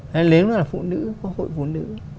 hay nếu là phụ nữ có hội phụ nữ